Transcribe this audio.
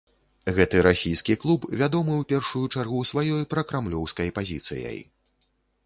Гэты расійскі клуб вядомы ў першую чаргу сваёй пракрамлёўскай пазіцыяй.